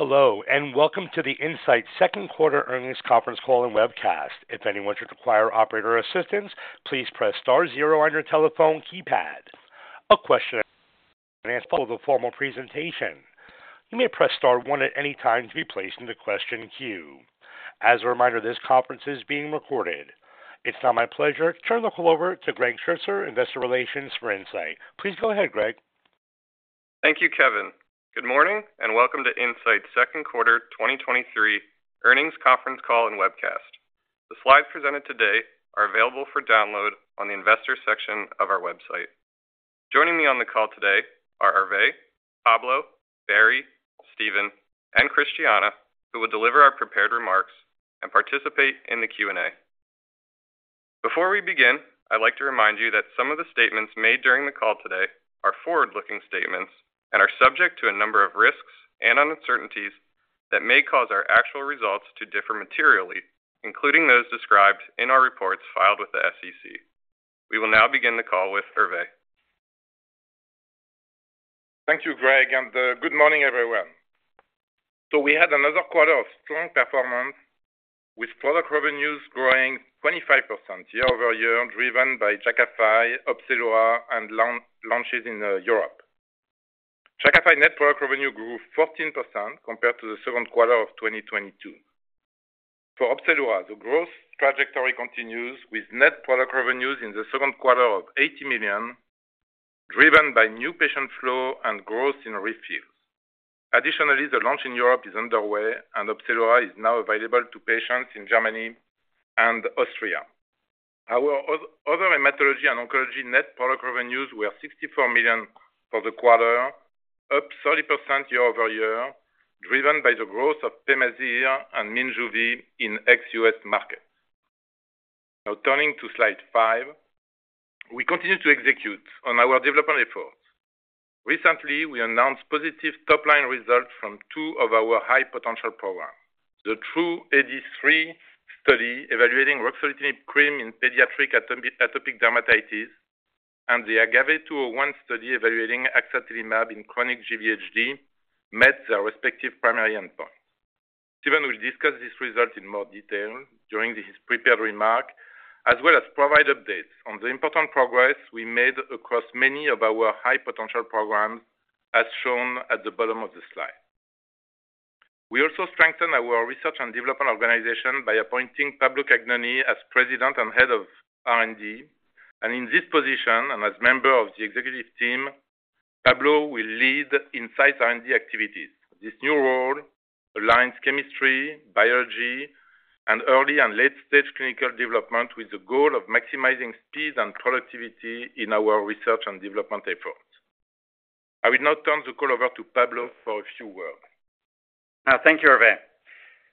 Hello. Welcome to the Incyte second quarter earnings conference call and webcast. If anyone should require operator assistance, please press star one on your telephone keypad. A question and answer will follow the formal presentation. You may press star one at any time to be placed in the question queue. As a reminder, this conference is being recorded. It's now my pleasure to turn the call over to Greg Shertzer, Investor Relations for Incyte. Please go ahead, Greg. Thank you, Kevin. Good morning, welcome to Incyte's second quarter 2023 earnings conference call and webcast. The slides presented today are available for download on the investor section of our website. Joining me on the call today are Hervé, Pablo, Barry, Steven, and Christiana, who will deliver our prepared remarks and participate in the Q&A. Before we begin, I'd like to remind you that some of the statements made during the call today are forward-looking statements and are subject to a number of risks and uncertainties that may cause our actual results to differ materially, including those described in our reports filed with the SEC. We will now begin the call with Hervé. Thank you, Greg, and good morning, everyone. We had another quarter of strong performance, with product revenues growing 25% year-over-year, driven by Jakafi, Opzelura, and launches in Europe. Jakafi net product revenue grew 14% compared to the second quarter of 2022. For Opzelura, the growth trajectory continues with net product revenues in the second quarter of $80 million, driven by new patient flow and growth in refills. Additionally, the launch in Europe is underway, and Opzelura is now available to patients in Germany and Austria. Our other hematology and oncology net product revenues were $64 million for the quarter, up 30% year-over-year, driven by the growth of Pemazyre and Minjuvi in ex-U.S. markets. Turning to Slide 5, we continue to execute on our development efforts. Recently, we announced positive top-line results from two of our high-potential programs. The TRuE-AD3 study, evaluating ruxolitinib cream in pediatric atopic dermatitis, and the AGAVE-201 study, evaluating axatilimab in chronic GVHD, met their respective primary endpoints. Steven will discuss these results in more detail during his prepared remark, as well as provide updates on the important progress we made across many of our high-potential programs, as shown at the bottom of the slide. We also strengthened our research and development organization by appointing Pablo Cagnoni as President and Head of R&D. In this position, and as member of the executive team, Pablo will lead Incyte's R&D activities. This new role aligns chemistry, biology, and early and late-stage clinical development with the goal of maximizing speed and productivity in our research and development efforts. I will now turn the call over to Pablo for a few words. Thank you, Hervé.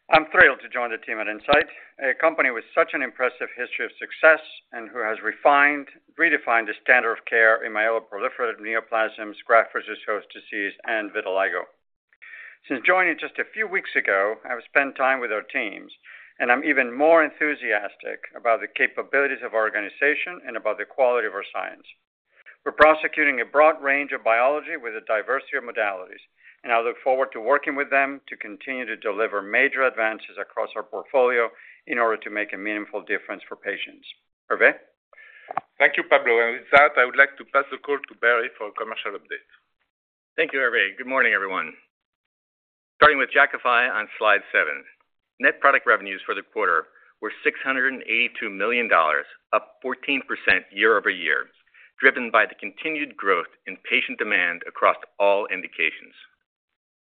I'm thrilled to join the team at Incyte, a company with such an impressive history of success and who has redefined the standard of care in myeloproliferative neoplasms, graft-versus-host disease, and vitiligo. Since joining just a few weeks ago, I've spent time with our teams, and I'm even more enthusiastic about the capabilities of our organization and about the quality of our science. We're prosecuting a broad range of biology with a diversity of modalities, and I look forward to working with them to continue to deliver major advances across our portfolio in order to make a meaningful difference for patients. Hervé? Thank you, Pablo. With that, I would like to pass the call to Barry for a commercial update. Thank you, Hervé. Good morning, everyone. Starting with Jakafi on Slide 7, net product revenues for the quarter were $682 million, up 14% year-over-year, driven by the continued growth in patient demand across all indications.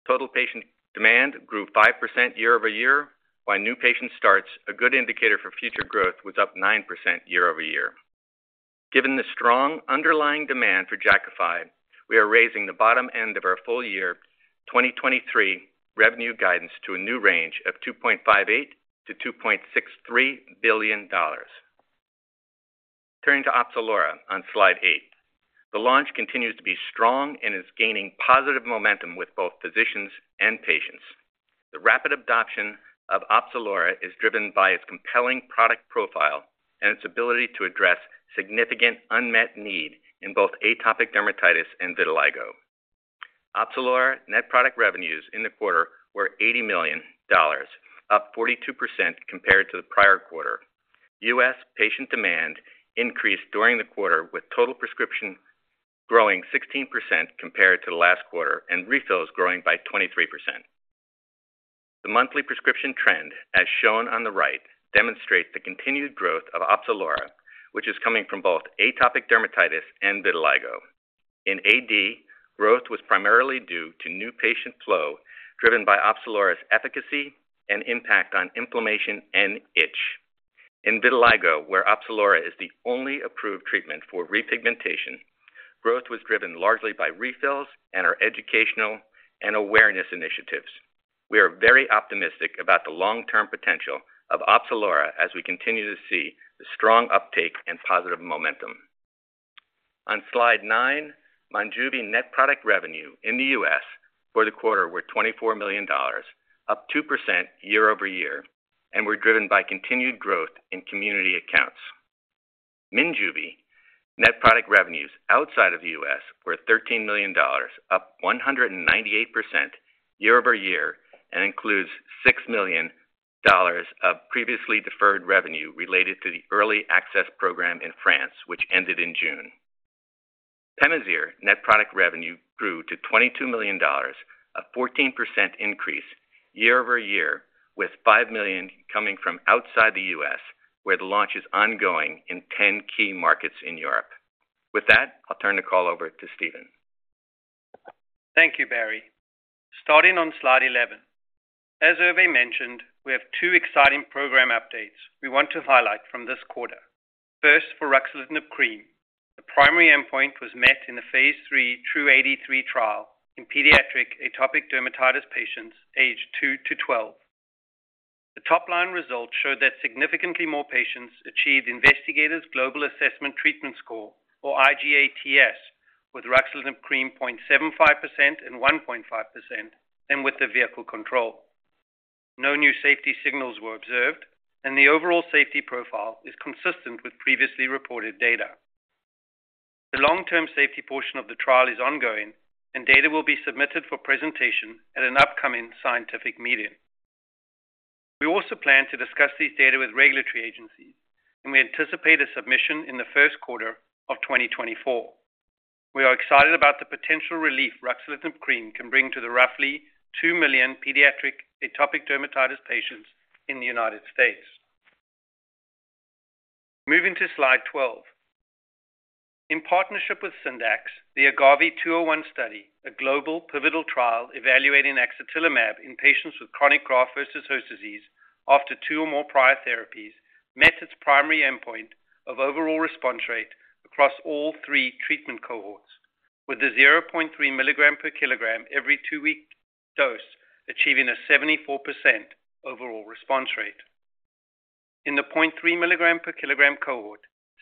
Total patient demand grew 5% year-over-year, while new patient starts, a good indicator for future growth, was up 9% year-over-year. Given the strong underlying demand for Jakafi, we are raising the bottom end of our full year 2023 revenue guidance to a new range of $2.58 billion-$2.63 billion. Turning to Opzelura on Slide 8. The launch continues to be strong and is gaining positive momentum with both physicians and patients. The rapid adoption of Opzelura is driven by its compelling product profile and its ability to address significant unmet need in both atopic dermatitis and vitiligo. Opzelura net product revenues in the quarter were $80 million, up 42% compared to the prior quarter. U.S. patient demand increased during the quarter, with total prescription growing 16% compared to last quarter, and refills growing by 23%. The monthly prescription trend, as shown on the right, demonstrates the continued growth of Opzelura, which is coming from both atopic dermatitis and vitiligo. In AD, growth was primarily due to new patient flow, driven by Opzelura's efficacy and impact on inflammation and itch. In vitiligo, where Opzelura is the only approved treatment for repigmentation, growth was driven largely by refills and our educational and awareness initiatives. We are very optimistic about the long-term potential of Opzelura as we continue to see the strong uptake and positive momentum. On Slide 9, Minjuvi net product revenue in the U.S. for the quarter were $24 million, up 2% year-over-year, and were driven by continued growth in community accounts. Minjuvi net product revenues outside of the U.S. were $13 million, up 198% year-over-year. Includes $6 million of previously deferred revenue related to the early access program in France, which ended in June. Pemazyre net product revenue grew to $22 million, a 14% increase year-over-year, with $5 million coming from outside the U.S., where the launch is ongoing in 10 key markets in Europe. With that, I'll turn the call over to Steven. Thank you, Barry. Starting on Slide 11. As Hervé mentioned, we have two exciting program updates we want to highlight from this quarter. First, for ruxolitinib cream. The primary endpoint was met in the phase III TRuE-AD3 trial in pediatric atopic dermatitis patients aged two to 12. The top-line results showed that significantly more patients achieved Investigators Global Assessment Treatment Score, or IGATS, with ruxolitinib cream 0.75% and 1.5% than with the vehicle control. No new safety signals were observed, and the overall safety profile is consistent with previously reported data. The long-term safety portion of the trial is ongoing, and data will be submitted for presentation at an upcoming scientific meeting. We also plan to discuss these data with regulatory agencies, and we anticipate a submission in the first quarter of 2024. We are excited about the potential relief ruxolitinib cream can bring to the roughly 2 million pediatric atopic dermatitis patients in the United States. Moving to Slide 12. In partnership with Syndax, the AGAVE-201 study, a global pivotal trial evaluating axatilimab in patients with chronic graft-versus-host disease after two or more prior therapies, met its primary endpoint of overall response rate across all three treatment cohorts, with the 0.3 mg per kg every two week dose achieving a 74% overall response rate. In the 0.3 mg per kg cohort,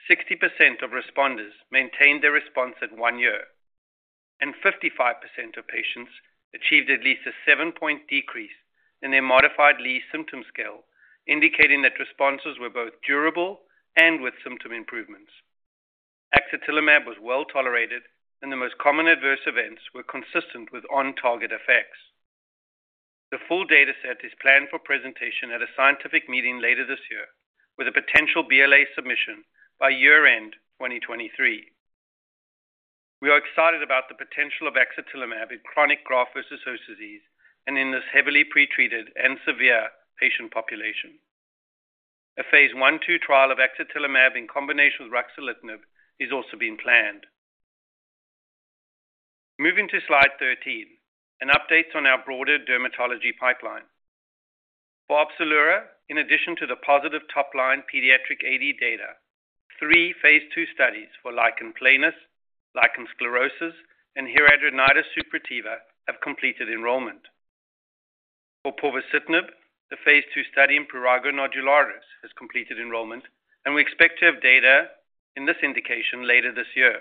60% of responders maintained their response at one year, and 55% of patients achieved at least a 7-point decrease in their modified Lee Symptom Scale, indicating that responses were both durable and with symptom improvements. Axatilimab was well tolerated, and the most common adverse events were consistent with on-target effects. The full data set is planned for presentation at a scientific meeting later this year, with a potential BLA submission by year-end 2023. We are excited about the potential of axetilimab in chronic graft-versus-host disease and in this heavily pretreated and severe patient population. A Phase I/II trial of axetilimab in combination with ruxolitinib is also being planned. Moving to Slide 13, an update on our broader dermatology pipeline. For Opzelura, in addition to the positive top-line pediatric AD data, three phase II studies for lichen planus, lichen sclerosus, and hidradenitis suppurativa have completed enrollment. For Povorcitinib, the phase II study in prurigo nodularis has completed enrollment, and we expect to have data in this indication later this year.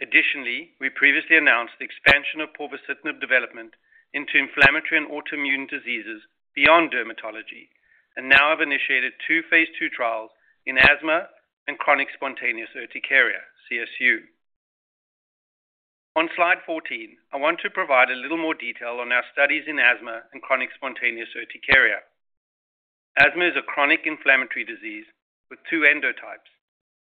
We previously announced the expansion of Povorcitinib development into inflammatory and autoimmune diseases beyond dermatology and now have initiated two phase II trials in asthma and chronic spontaneous urticaria, CSU. On Slide 14, I want to provide a little more detail on our studies in asthma and chronic spontaneous urticaria. Asthma is a chronic inflammatory disease with two endotypes.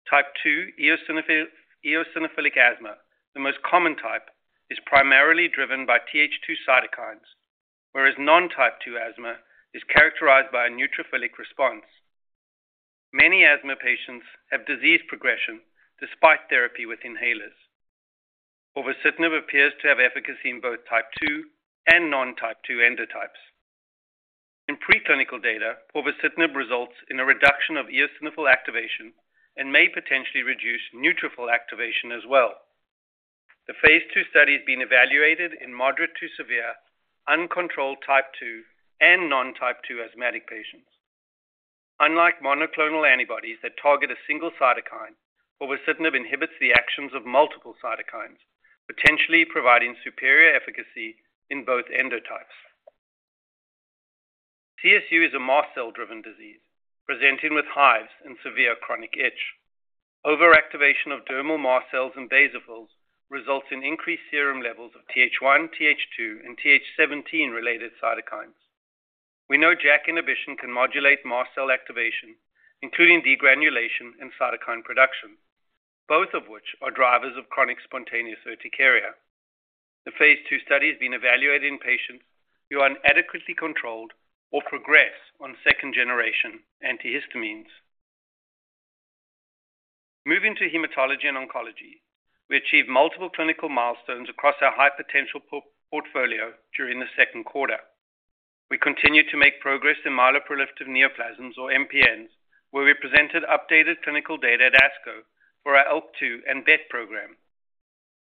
Type II eosinophil, eosinophilic asthma, the most common type, is primarily driven by TH2 cytokines, whereas non-type II asthma is characterized by a neutrophilic response. Many asthma patients have disease progression despite therapy with inhalers. Povorcitinib appears to have efficacy in both type II and non-type II endotypes. In preclinical data, Povorcitinib results in a reduction of eosinophil activation and may potentially reduce neutrophil activation as well. The phase II study is being evaluated in moderate to severe, uncontrolled type II and non-type II asthmatic patients. Unlike monoclonal antibodies that target a single cytokine, Povorcitinib inhibits the actions of multiple cytokines, potentially providing superior efficacy in both endotypes. CSU is a mast cell-driven disease presenting with hives and severe chronic itch. Overactivation of dermal mast cells and basophils results in increased serum levels of TH1, TH2, and TH17-related cytokines. We know JAK inhibition can modulate mast cell activation, including degranulation and cytokine production, both of which are drivers of chronic spontaneous urticaria. The phase II study is being evaluated in patients who are inadequately controlled or progress on second-generation antihistamines. Moving to hematology and oncology, we achieved multiple clinical milestones across our high-potential portfolio during the second quarter. We continued to make progress in myeloproliferative neoplasms, or MPNs, where we presented updated clinical data at ASCO for our ALK2 and BET program.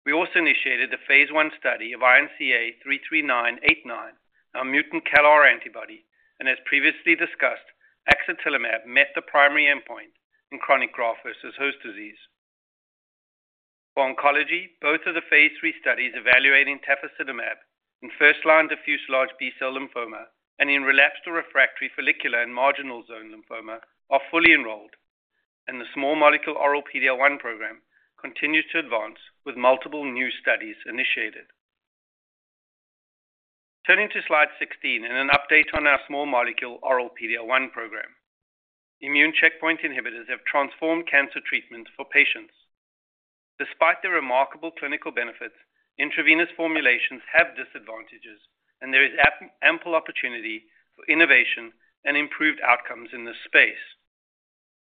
We also initiated a phase I study of INCA033989, our mutant KRAS antibody. As previously discussed, axatilimab met the primary endpoint in chronic graft-versus-host disease. For oncology, both of the phase III studies evaluating Tafasitamab in first-line Diffuse Large B-cell Lymphoma and in relapsed or refractory follicular and Marginal Zone Lymphoma are fully enrolled, the small molecule oral PD-L1 program continues to advance with multiple new studies initiated. Turning to Slide 16 and an update on our small molecule oral PD-L1 program. Immune checkpoint inhibitors have transformed cancer treatment for patients. Despite the remarkable clinical benefits, intravenous formulations have disadvantages, there is ample opportunity for innovation and improved outcomes in this space.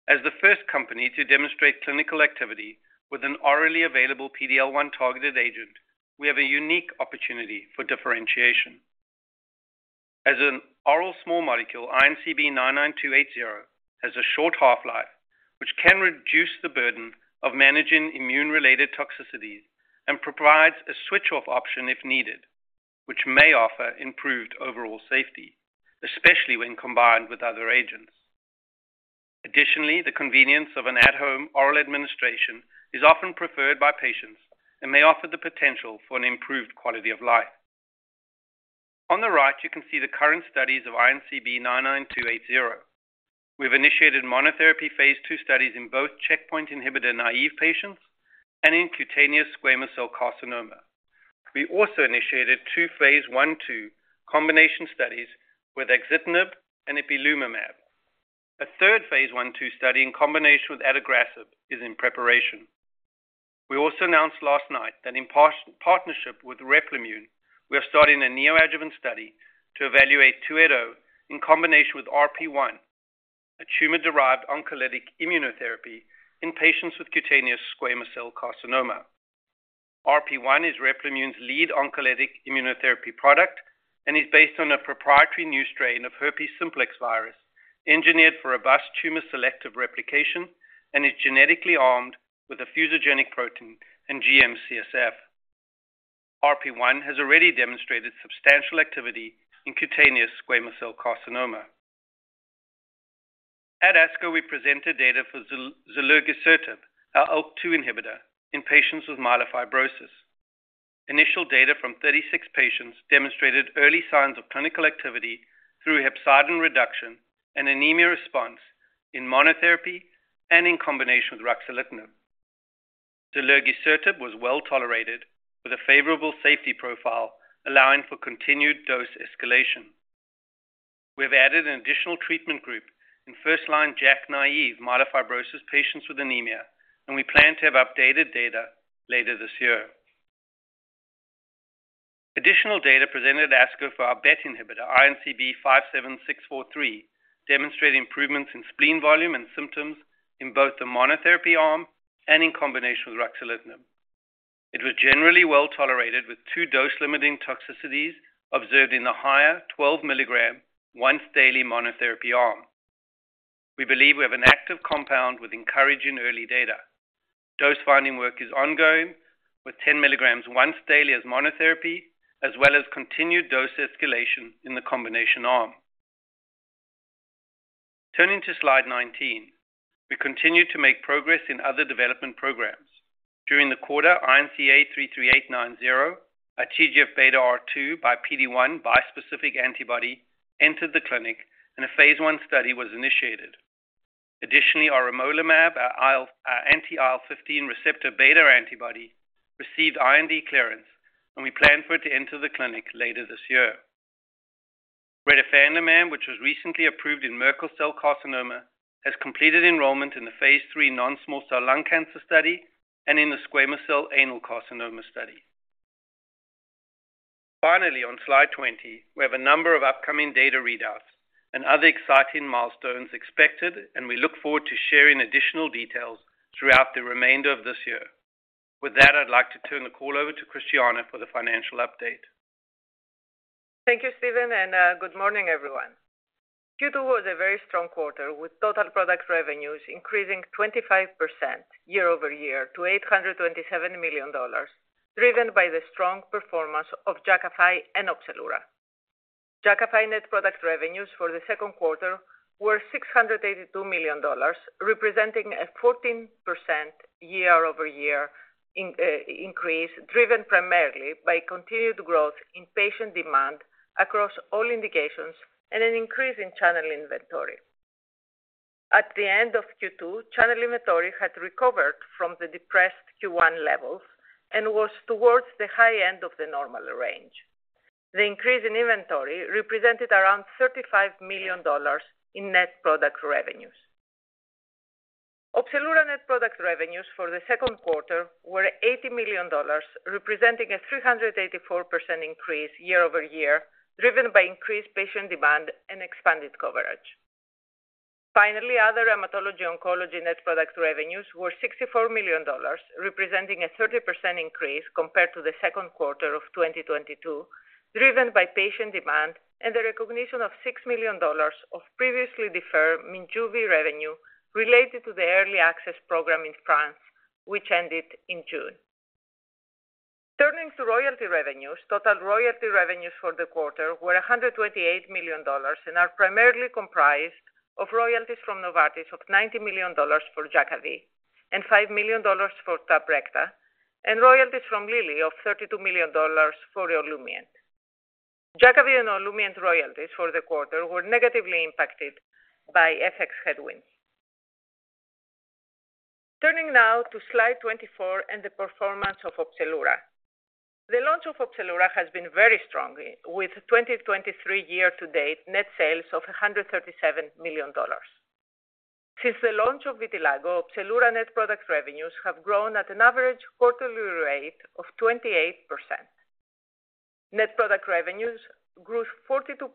As the first company to demonstrate clinical activity with an orally available PD-L1 targeted agent, we have a unique opportunity for differentiation. As an oral small molecule, INCB99280 has a short half-life, which can reduce the burden of managing immune-related toxicities and provides a switch-off option if needed, which may offer improved overall safety, especially when combined with other agents. Additionally, the convenience of an at-home oral administration is often preferred by patients and may offer the potential for an improved quality of life. On the right, you can see the current studies of INCB99280. We've initiated monotherapy phase II studies in both checkpoint inhibitor-naive patients and in cutaneous squamous cell carcinoma. We also initiated two phase I/II combination studies with axitinib and ipilimumab. A third phase I/II study in combination with adagrasib is in preparation. We also announced last night that in partnership with Replimune, we are starting a neoadjuvant study to evaluate two zero in combination with RP1, a tumor-derived oncolytic immunotherapy in patients with cutaneous squamous cell carcinoma. RP1 is Replimune's lead oncolytic immunotherapy product and is based on a proprietary new strain of Herpes Simplex Virus, engineered for robust tumor selective replication and is genetically armed with a fusogenic protein and GM-CSF. RP1 has already demonstrated substantial activity in Cutaneous Squamous Cell Carcinoma. At ASCO, we presented data for Zilurgisertib, our ALK-2 inhibitor in patients with myelofibrosis. Initial data from 36 patients demonstrated early signs of clinical activity through hepcidin reduction and anemia response in monotherapy and in combination with ruxolitinib. Zilurgisertib was well tolerated, with a favorable safety profile, allowing for continued dose escalation. We have added an additional treatment group in first-line JAK-naive myelofibrosis patients with anemia, and we plan to have updated data later this year. Additional data presented at ASCO for our BET inhibitor, INCB57643, demonstrate improvements in spleen volume and symptoms in both the monotherapy arm and in combination with ruxolitinib. It was generally well tolerated, with two dose-limiting toxicities observed in the higher 12 mg once daily monotherapy arm. We believe we have an active compound with encouraging early data. Dose-finding work is ongoing, with 10 mg once daily as monotherapy, as well as continued dose escalation in the combination arm. Turning to Slide 19, we continue to make progress in other development programs. During the quarter, INCA33890, a TGF-beta R2 by PD-1 bispecific antibody, entered the clinic, and auremolimab, our anti-IL-15 receptor beta antibody, received IND clearance, and we plan for it to enter the clinic later this year. retifanlimab, which was recently approved in Merkel cell carcinoma, has completed enrollment in the Phase III non-small cell lung cancer study and in the anal squamous cell carcinoma study. On Slide 20, we have a number of upcoming data readouts and other exciting milestones expected. We look forward to sharing additional details throughout the remainder of this year. With that, I'd like to turn the call over to Christiana for the financial update. Thank you, Steven, good morning, everyone. Q2 was a very strong quarter, with total product revenues increasing 25% year-over-year to $827 million, driven by the strong performance of Jakafi and Opzelura. Jakafi net product revenues for the second quarter were $682 million, representing a 14% year-over-year increase, driven primarily by continued growth in patient demand across all indications and an increase in channel inventory. At the end of Q2, channel inventory had recovered from the depressed Q1 levels and was towards the high end of the normal range. The increase in inventory represented around $35 million in net product revenues. Opzelura net product revenues for the second quarter were $80 million, representing a 384% increase year-over-year, driven by increased patient demand and expanded coverage. Finally, other hematology and oncology net product revenues were $64 million, representing a 30% increase compared to the second quarter of 2022, driven by patient demand and the recognition of $6 million of previously deferred Minjuvi revenue related to the early access program in France, which ended in June. Turning to royalty revenues. Total royalty revenues for the quarter were $128 million, are primarily comprised of royalties from Novartis of $90 million for Jakavi and $5 million for Tabrecta, and royalties from Lilly of $32 million for Olumiant. Jakavi and Olumiant royalties for the quarter were negatively impacted by FX headwinds. Turning now to Slide 24 and the performance of Opzelura. The launch of Opzelura has been very strong, with 2023 year-to-date net sales of $137 million. Since the launch of vitiligo, Opzelura net product revenues have grown at an average quarterly rate of 28%. Net product revenues grew 42%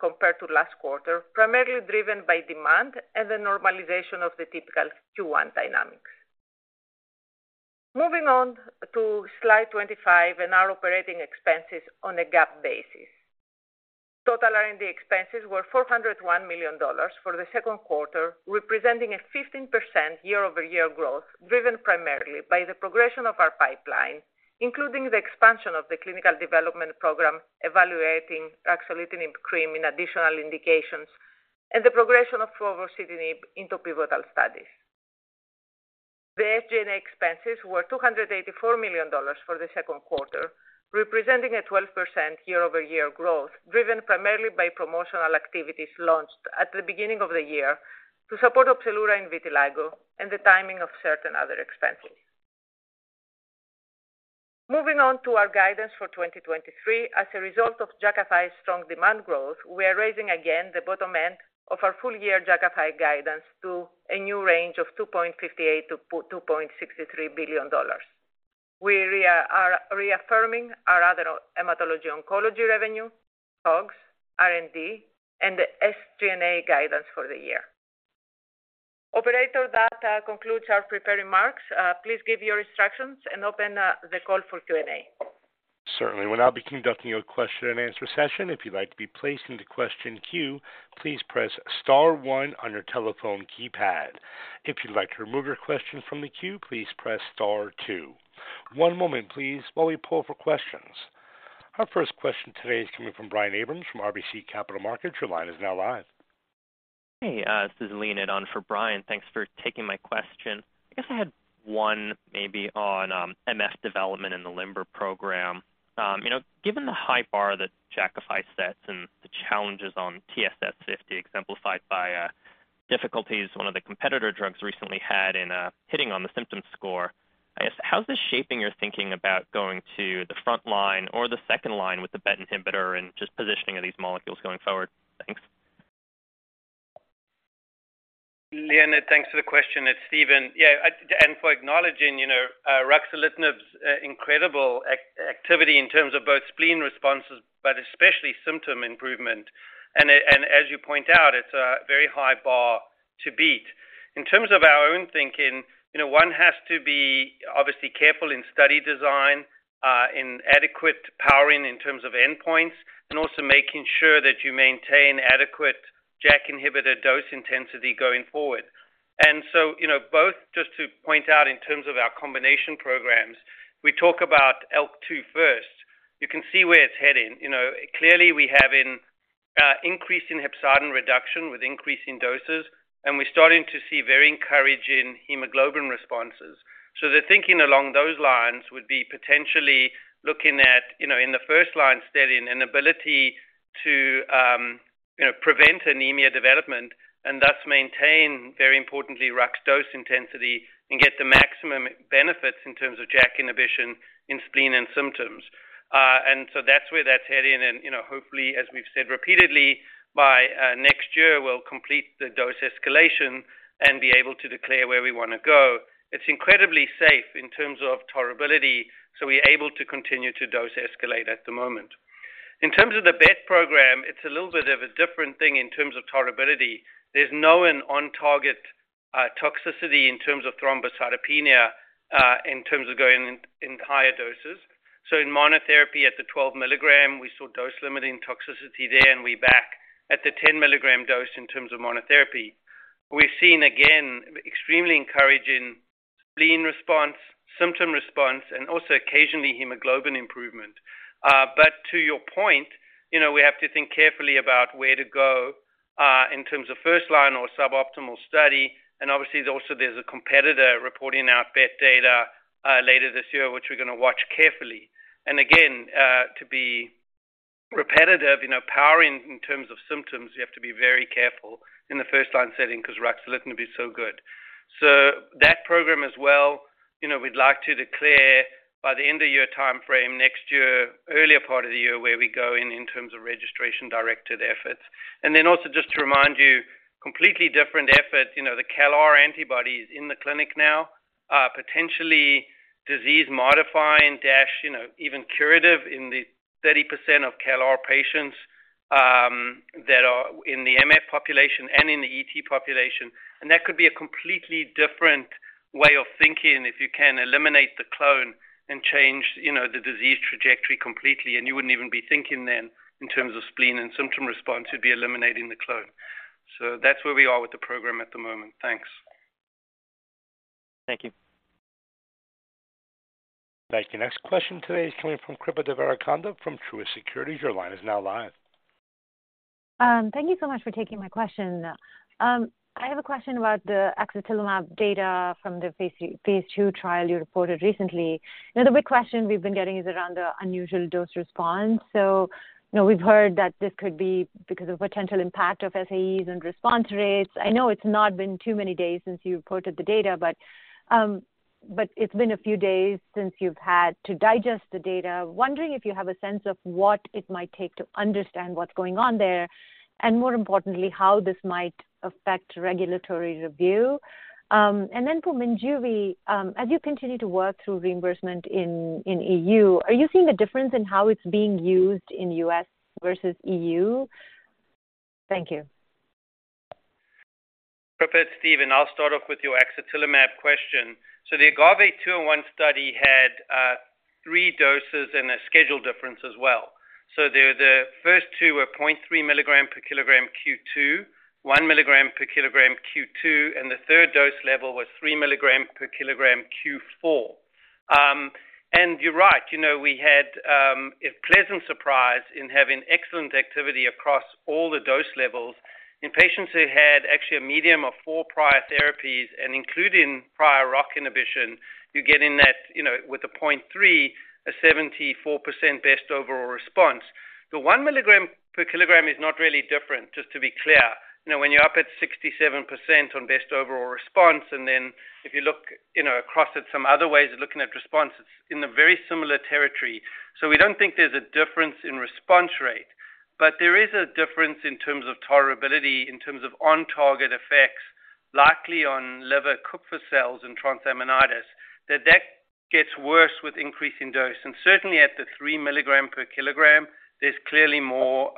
compared to last quarter, primarily driven by demand and the normalization of the typical Q1 dynamics. Moving on to Slide 25 and our operating expenses on a GAAP basis. Total R&D expenses were $401 million for the second quarter, representing a 15% year-over-year growth, driven primarily by the progression of our pipeline, including the expansion of the clinical development program, evaluating ruxolitinib cream in additional indications and the progression of Povorcitinib into pivotal studies. The SG&A expenses were $284 million for the second quarter, representing a 12% year-over-year growth, driven primarily by promotional activities launched at the beginning of the year to support Opzelura and vitiligo and the timing of certain other expenses. Moving on to our guidance for 2023. As a result of Jakafi's strong demand growth, we are raising again the bottom end of our full year Jakafi guidance to a new range of $2.58 billion-$2.63 billion. We are reaffirming our Other Hematology/Oncology revenue, COGS, R&D, and SG&A guidance for the year. Operator, that concludes our prepared remarks. Please give your instructions and open the call for Q&A. Certainly. We'll now be conducting a question and answer session. If you'd like to be placed in the question queue, please press star one on your telephone keypad. If you'd like to remove your question from the queue, please press star two. One moment please, while we pull for questions. Our first question today is coming from Brian Abrahams from RBC Capital Markets. Your line is now live. Hey, this is Leonid for Brian. Thanks for taking my question. I guess I had one maybe on MS development in the LIMBER program. You know, given the high bar that Jakafi sets and the challenges on TSS50, exemplified by difficulties one of the competitor drugs recently had in hitting on the symptom score, I guess, how's this shaping your thinking about going to the front line or the second line with the BET inhibitor and just positioning of these molecules going forward? Thanks. Leonid, thanks for the question. It's Steven. Yeah, and for acknowledging, you know, ruxolitinib's incredible activity in terms of both spleen responses, but especially symptom improvement. As, and as you point out, it's a very high bar to beat. In terms of our own thinking, you know, one has to be obviously careful in study design, in adequate powering in terms of endpoints, and also making sure that you maintain adequate JAK inhibitor dose intensity going forward. So, you know, both just to point out in terms of our combination programs, we talk about ALK-2 first. You can see where it's heading. You know, clearly we have an increase in hepcidin reduction with increasing doses, and we're starting to see very encouraging hemoglobin responses. The thinking along those lines would be potentially looking at, you know, in the first line setting, an ability to, you know, prevent anemia development and thus maintain, very importantly, RUX dose intensity and get the maximum benefits in terms of JAK inhibition in spleen and symptoms. That's where that's heading. You know, hopefully, as we've said repeatedly, by next year, we'll complete the dose escalation and be able to declare where we want to go. It's incredibly safe in terms of tolerability, so we're able to continue to dose escalate at the moment. In terms of the BET program, it's a little bit of a different thing in terms of tolerability. There's no an on target toxicity in terms of thrombocytopenia in terms of going in, in higher doses. In monotherapy at the 12 mg, we saw dose limiting toxicity there, and we back at the 10 milligram dose in terms of monotherapy. We've seen, again, extremely encouraging spleen response, symptom response, and also occasionally hemoglobin improvement. To your point, you know, we have to think carefully about where to go in terms of first line or suboptimal study. Obviously, there's also there's a competitor reporting out BET data later this year, which we're going to watch carefully. Again, to be repetitive, you know, powering in terms of symptoms, you have to be very careful in the first line setting because ruxolitinib is so good. That program as well, you know, we'd like to declare by the end of year timeframe, next year, earlier part of the year, where we go in, in terms of registration, directed efforts. Then also just to remind you, completely different effort, you know, the mutCALR antibody is in the clinic now, potentially disease modifying, you know, even curative in the 30% of mutCALR patients, that are in the MF population and in the ET population. That could be a completely different way of thinking, if you can eliminate the clone and change, you know, the disease trajectory completely, and you wouldn't even be thinking then in terms of spleen and symptom response, you'd be eliminating the clone. That's where we are with the program at the moment. Thanks. Thank you. Thank you. Next question today is coming from Kripa Devarakonda from Truist Securities. Your line is now live. Thank you so much for taking my question. I have a question about the axatilimab data from the phase II, phase II trial you reported recently. The big question we've been getting is around the unusual dose response. You know, we've heard that this could be because of potential impact of SAEs and response rates. I know it's not been too many days since you reported the data, but it's been a few days since you've had to digest the data. Wondering if you have a sense of what it might take to understand what's going on there, and more importantly, how this might affect regulatory review. Then for Minjuvi, as you continue to work through reimbursement in, in E.U., are you seeing a difference in how it's being used in U.S. versus E.U.? Thank you. Kripa, it's Steven. I'll start off with your axatilimab question. The AGAVE-201 study had three doses and a schedule difference as well. The first two were 0.3 mg per kg Q2, one mg per kg Q2, and the third dose level was three milligram per kilogram Q4. You're right, you know, we had a pleasant surprise in having excellent activity across all the dose levels. In patients who had actually a median of four prior therapies and including prior ROCK inhibition, you're getting that, you know, with a 0.3, a 74% best overall response. The 1 mg per kg is not really different, just to be clear. You know, when you're up at 67% on best overall response, then if you look, you know, across at some other ways of looking at responses in a very similar territory. We don't think there's a difference in response rate, but there is a difference in terms of tolerability, in terms of on-target effects, likely on liver Kupffer cells and transaminitis, that, that gets worse with increasing dose. Certainly at the 3 mg per kg, there's clearly more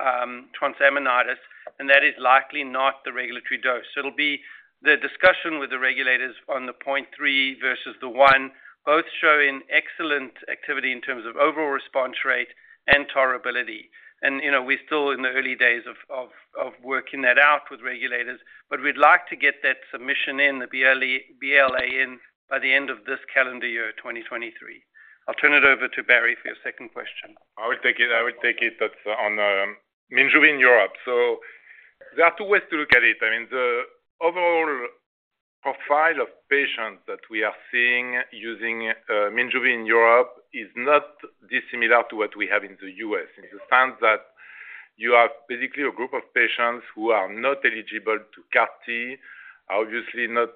transaminitis, and that is likely not the regulatory dose. It'll be the discussion with the regulators on the 0.3 versus the one, both showing excellent activity in terms of overall response rate and tolerability. You know, we're still in the early days of, of, of working that out with regulators, but we'd like to get that submission in, the BLA in by the end of this calendar year, 2023. I'll turn it over to Barry for your second question. I will take it. I will take it. That's on Minjuvi in Europe. There are two ways to look at it. I mean, the overall profile of patients that we are seeing using Minjuvi in Europe is not dissimilar to what we have in the U.S., in the sense that you have basically a group of patients who are not eligible to CAR-T, obviously not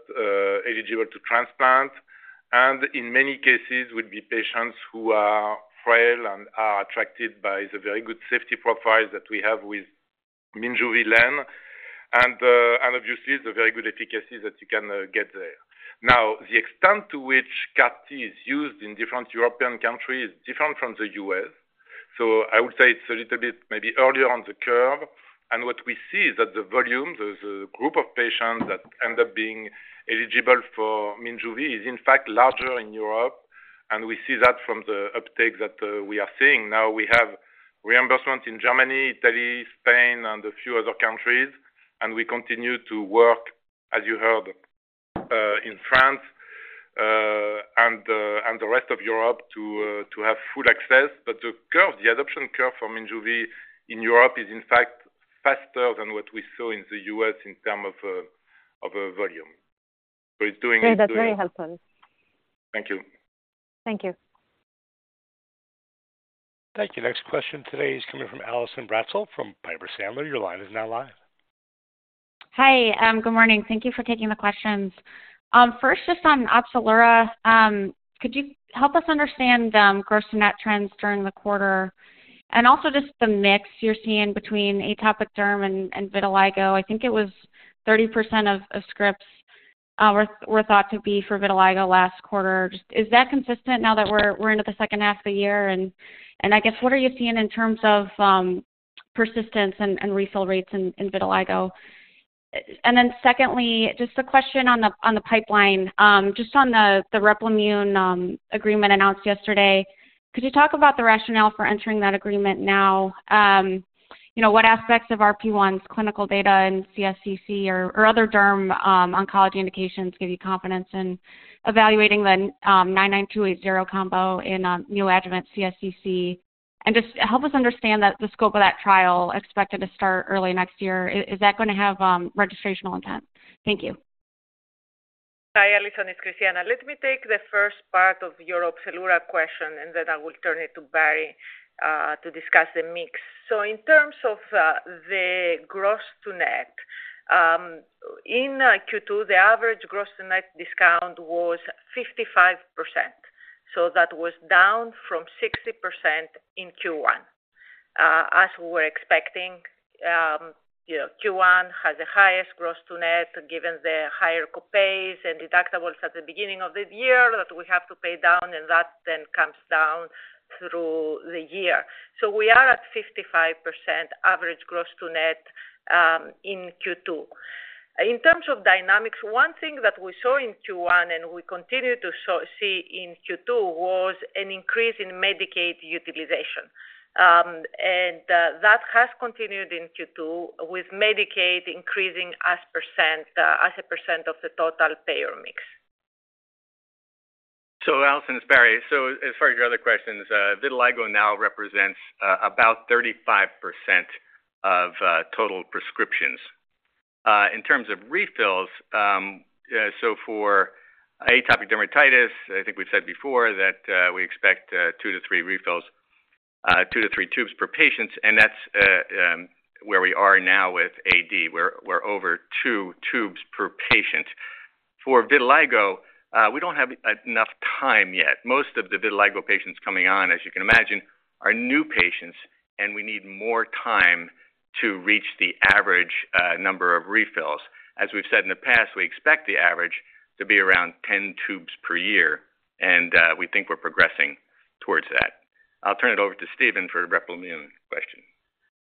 eligible to transplant, and in many cases, would be patients who are frail and are attracted by the very good safety profile that we have with Minjuvi, and obviously, the very good efficacy that you can get there. Now, the extent to which CAR-T is used in different European countries is different from the U.S., so I would say it's a little bit maybe earlier on the curve. What we see is that the volume, the, the group of patients that end up being eligible for Minjuvi is in fact larger in Europe, and we see that from the uptake that we are seeing. We have reimbursement in Germany, Italy, Spain, and a few other countries, and we continue to work, as you heard, in France, and the, and the rest of Europe to have full access. The curve, the adoption curve for Minjuvi in Europe is in fact faster than what we saw in the U.S. in term of, of, volume. It's doing. Great. That's very helpful. Thank you. Thank you. Thank you. Next question today is coming from Allison Bratzel from Piper Sandler. Your line is now live. Hi, good morning. Thank you for taking the questions. First, just on Opzelura, could you help us understand gross to net trends during the quarter? Also just the mix you're seeing between atopic derm and vitiligo. I think it was 30% of scripts were thought to be for vitiligo last quarter. Is that consistent now that we're into the second half of the year? I guess, what are you seeing in terms of persistence and refill rates in vitiligo? Secondly, just a question on the pipeline. Just on the Replimune agreement announced yesterday, could you talk about the rationale for entering that agreement now? You know, what aspects of RP1's clinical data in CSCC or, or other derm, oncology indications give you confidence in evaluating the INCB99280 combo in neoadjuvant CSCC? Just help us understand that the scope of that trial expected to start early next year. Is, is that going to have, registrational intent? Thank you. Hi, Allison, it's Christiana. Let me take the first part of your Opzelura question, and then I will turn it to Barry to discuss the mix. In terms of the gross to net in Q2, the average gross to net discount was 55%, so that was down from 60% in Q1. As we were expecting, you know, Q1 has the highest gross to net, given the higher copays and deductibles at the beginning of the year, that we have to pay down, and that then comes down through the year. We are at 55% average gross to net in Q2. In terms of dynamics, one thing that we saw in Q1, and we continued to see in Q2, was an increase in Medicaid utilization. That has continued in Q2, with Medicaid increasing as a % of the total payer mix. Allison, it's Barry. As far as your other questions, vitiligo now represents about 35% of total prescriptions. In terms of refills, for atopic dermatitis, I think we've said before that we expect two to three refills, two to three tubes per patient, and that's where we are now with AD. We're over two tubes per patient. For vitiligo, we don't have enough time yet. Most of the vitiligo patients coming on, as you can imagine, are new patients, and we need more time to reach the average number of refills. As we've said in the past, we expect the average to be around 10 tubes per year, and we think we're progressing towards that. I'll turn it over to Steven for the Replimune question.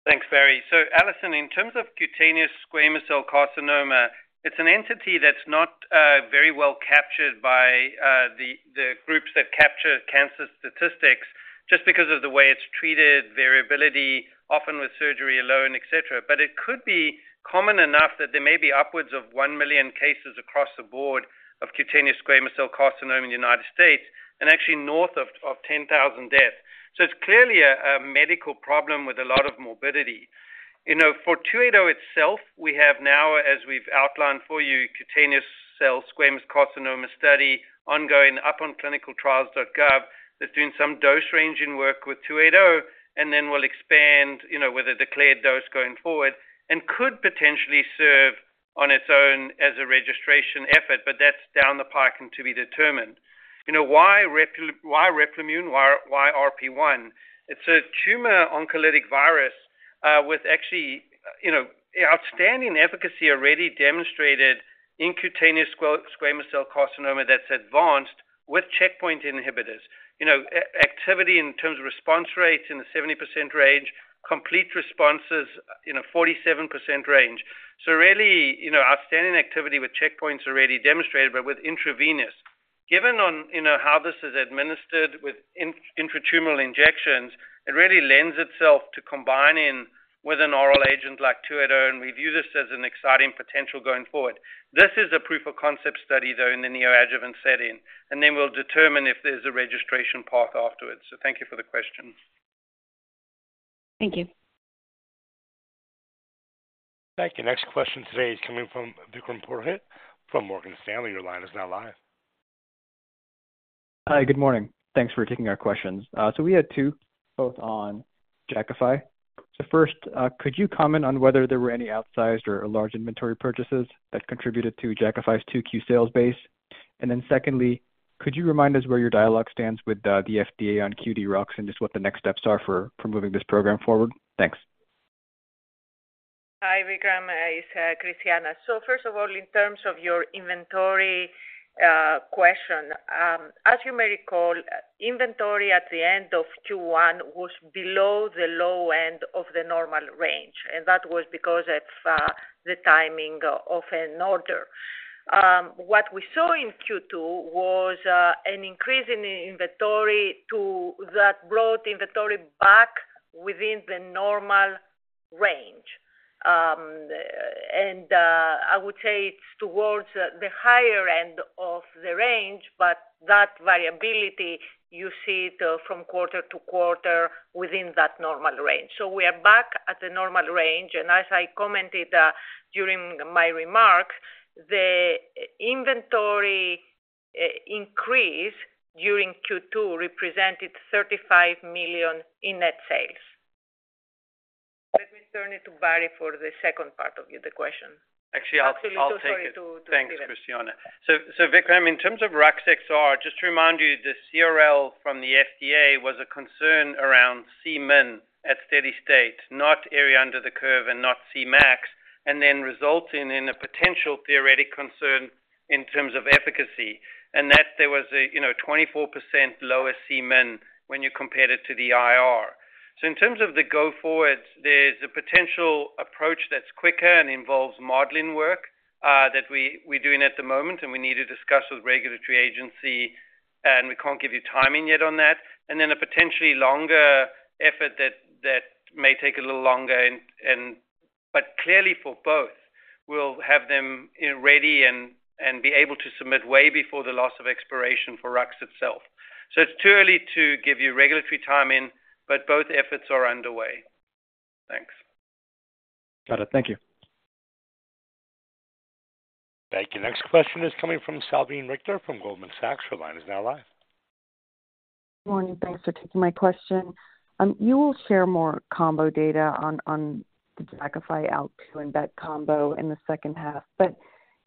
Thanks, Barry. Allison, in terms of Cutaneous Squamous Cell Carcinoma, it's an entity that's not very well captured by the groups that capture cancer statistics just because of the way it's treated, variability, often with surgery alone, et cetera. It could be common enough that there may be upwards of 1 million cases across the board of Cutaneous Squamous Cell Carcinoma in the United States, and actually north of 10,000 deaths. It's clearly a medical problem with a lot of morbidity. You know, for 280 itself, we have now, as we've outlined for you, cutaneous squamous cell carcinoma study ongoing up on ClinicalTrials.gov, that's doing some dose-ranging work with 280, and then we'll expand, you know, with a declared dose going forward and could potentially serve on its own as a registration effort, but that's down the pike and to be determined. You know, why Replimune, why, why RP1? It's a tumor oncolytic virus, with actually, you know, outstanding efficacy already demonstrated in cutaneous squamous cell carcinoma that's advanced with checkpoint inhibitors. You know, activity in terms of response rates in the 70% range, complete responses in a 47% range. Really, you know, outstanding activity with checkpoints already demonstrated, but with intravenous. Given on, you know, how this is administered with intratumoral injections, it really lends itself to combining with an oral agent like 280, and we view this as an exciting potential going forward. This is a proof of concept study, though, in the neoadjuvant setting, and then we'll determine if there's a registration path afterwards. Thank you for the question. Thank you. Thank you. Next question today is coming from Vikram Purohit from Morgan Stanley. Your line is now live. Hi, good morning. Thanks for taking our questions. We had two, both on Jakafi. First, could you comment on whether there were any outsized or large inventory purchases that contributed to Jakafi's 2Q sales base? Secondly, could you remind us where your dialogue stands with the FDA on QD RUX and just what the next steps are for moving this program forward? Thanks. Hi, Vikram, it's Christiana. First of all, in terms of your inventory question, as you may recall, inventory at the end of Q1 was below the low end of the normal range, and that was because of the timing of an order. What we saw in Q2 was an increase in the inventory to-- That brought inventory back within the normal range. I would say it's towards the, the higher end of the range, but that variability, you see it from quarter to quarter within that normal range. We are back at the normal range, and as I commented, during my remark, the inventory increase during Q2 represented $35 million in net sales. Let me turn it to Barry for the second part of the, the question. Actually, I'll, I'll take it. Sorry. Thanks, Christiana. Vikram, in terms of ruxolitinib XR, just to remind you, the CRL from the FDA was a concern around Cmin at steady state, not area under the curve and not Cmax, resulting in a potential theoretic concern in terms of efficacy, and that there was a, you know, 24% lower Cmin when you compared it to the IR. In terms of the go forward, there's a potential approach that's quicker and involves modeling work that we, we're doing at the moment, and we need to discuss with regulatory agency, and we can't give you timing yet on that. A potentially longer effort that may take a little longer. Clearly for both, we'll have them, you know, ready and be able to submit way before the Loss of Exclusivity for RUX itself. It's too early to give you regulatory timing, but both efforts are underway. Thanks. Got it. Thank you. Thank you. Next question is coming from Salveen Richter from Goldman Sachs. Your line is now live. Good morning, thanks for taking my question. You will share more combo data on, on the Jakafi ALK2 and BET combo in the second half.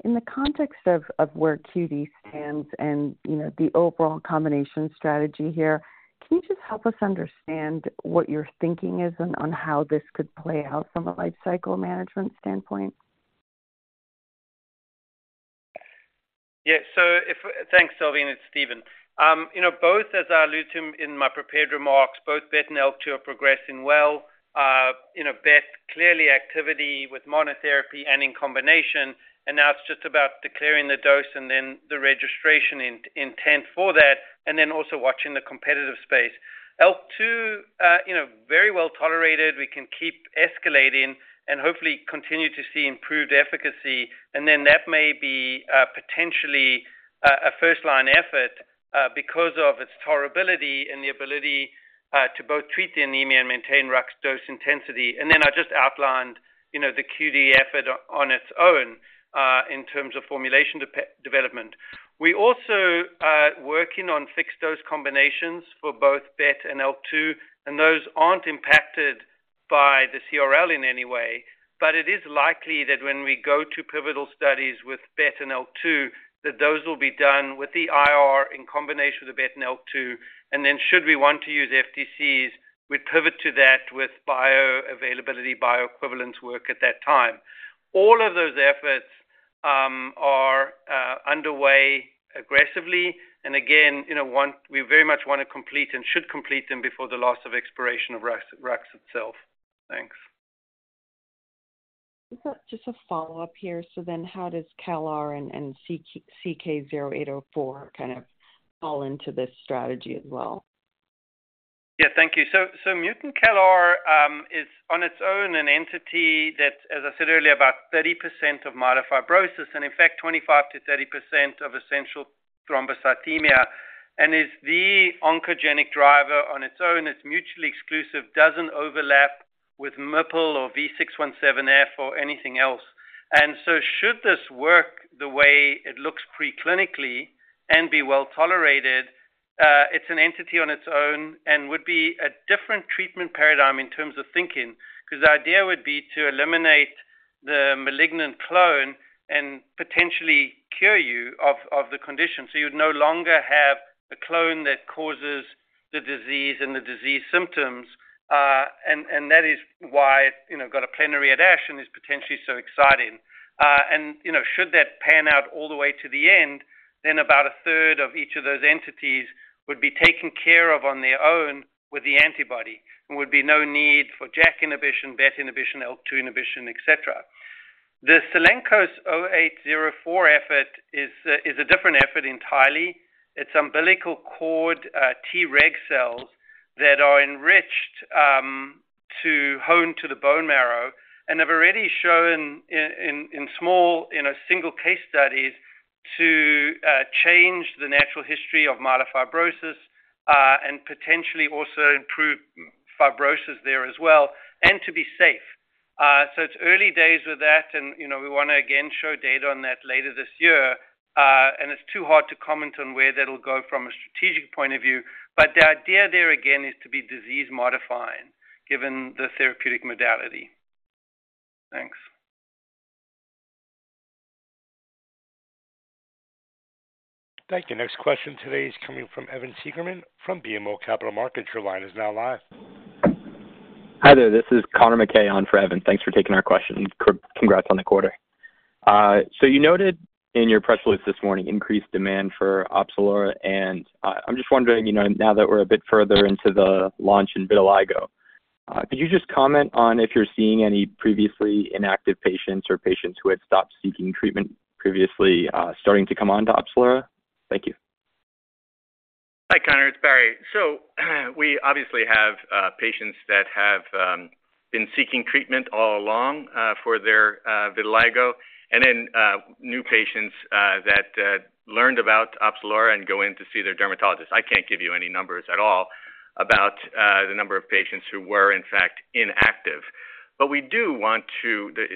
In the context of, of where QD stands and, you know, the overall combination strategy here, can you just help us understand what your thinking is on, on how this could play out from a life cycle management standpoint? Yeah. Thanks, Salveen, it's Steven. You know, both, as I alluded to in my prepared remarks, both BET and ALK2 are progressing well. You know, BET clearly activity with monotherapy and in combination, and now it's just about declaring the dose and then the registration intent for that, and then also watching the competitive space. IL-2, you know, very well tolerated. We can keep escalating and hopefully continue to see improved efficacy, and then that may be potentially a first-line effort because of its tolerability and the ability to both treat the anemia and maintain RUX dose intensity. I just outlined, you know, the QD effort on its own in terms of formulation development. We also are working on Fixed-Dose Combinations for both BET and IL-2, and those aren't impacted by the CRL in any way. It is likely that when we go to pivotal studies with BET and IL-2, that those will be done with the IR in combination with the BET and IL-2, and then should we want to use FDCs, we'd pivot to that with bioavailability, bioequivalence work at that time. All of those efforts are underway aggressively, and again, you know, we very much want to complete and should complete them before the loss of expiration of RUX, RUX itself. Thanks. Just a follow-up here. How does CALR and CK0804 kind of fall into this strategy as well? Yeah, thank you. MutCALR is on its own, an entity that, as I said earlier, about 30% of myelofibrosis and in fact, 25%-30% of essential thrombocythemia, and is the oncogenic driver on its own. It's mutually exclusive, doesn't overlap with MPL or V617F or anything else. should this work the way it looks preclinically and be well tolerated, it's an entity on its own and would be a different treatment paradigm in terms of thinking, because the idea would be to eliminate the malignant clone and potentially cure you of the condition. You'd no longer have the clone that causes the disease and the disease symptoms. that is why, you know, got a plenary at EHA is potentially so exciting. You know, should that pan out all the way to the end, then about a third of each of those entities would be taken care of on their own with the antibody. Would be no need for JAK inhibition, BET inhibition, IL-2 inhibition, et cetera. The Cellenkos 0804 effort is a different effort entirely. It's umbilical cord, Treg cells that are enriched to hone to the bone marrow and have already shown in, in, in small, in a single case studies, to change the natural history of myelofibrosis and potentially also improve fibrosis there as well, and to be safe. So it's early days with that, and, you know, we want to again show data on that later this year. It's too hard to comment on where that'll go from a strategic point of view. The idea there, again, is to be disease-modifying, given the therapeutic modality. Thanks. Thank you. Next question today is coming from Evan Seigerman from BMO Capital Markets. Your line is now live. Hi there, this is Conor MacKay on for Evan. Thanks for taking our question. Congrats on the quarter. So you noted in your press release this morning, increased demand for Opzelura, I'm just wondering, you know, now that we're a bit further into the launch in vitiligo, could you just comment on if you're seeing any previously inactive patients or patients who had stopped seeking treatment previously, starting to come on to Opzelura? Thank you. Hi, Conor, it's Barry. We obviously have patients that have been seeking treatment all along for their vitiligo, and then new patients that learned about Opzelura and go in to see their dermatologist. I can't give you any numbers at all about the number of patients who were, in fact, inactive. We do want to. The